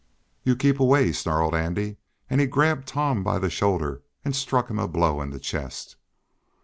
"You keep away!" snarled Andy, and he grabbed Tom by the shoulder and struck him a blow in the chest.